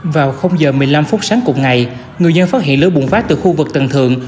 vào giờ một mươi năm phút sáng cùng ngày người dân phát hiện lửa bùng phát từ khu vực tầng thượng